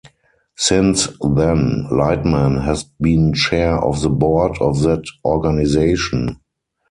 Since then, Lightman has been chair of the board of that organization.